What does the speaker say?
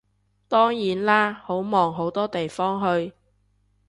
當然啦，好忙好多地方去